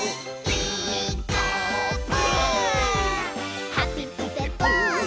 「ピーカーブ！」